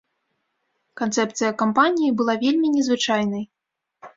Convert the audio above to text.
Канцэпцыя кампаніі была вельмі незвычайнай.